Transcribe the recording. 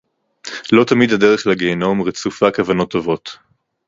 לא תמיד הדרך לגיהינום רצופה כוונות טובות